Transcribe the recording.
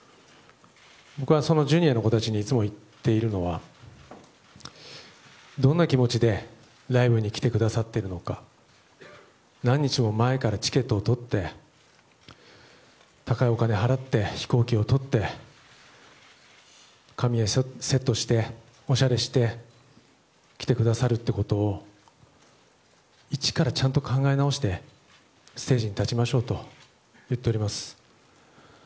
僕はＪｒ．の子たちにいつも言っているのはどんな気持ちでライブに来てくださっているのか何日も前からチケットを取って高いお金を払って飛行機を取って髪をセットして、おしゃれして来てくださるということを一から、ちゃんと考え直してステージに立ちましょうと言っております。